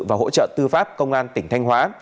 và hỗ trợ tư pháp công an tỉnh thanh hóa